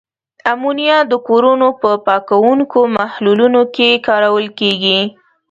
امونیا د کورونو په پاکوونکو محلولونو کې کارول کیږي.